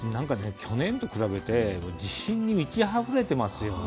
去年と比べて自信に満ちあふれていますよね。